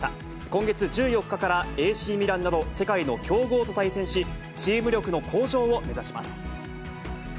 今月１４日からＡＣミランなど、世界の強豪と対戦し、チーム力の向上を目指します。